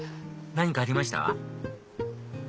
何かありました？